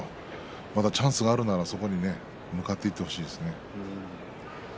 まだチャンスがあるならそこに向かっていってほしいですね。